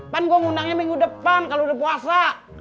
pan gue ngundangnya minggu depan kalau udah puasa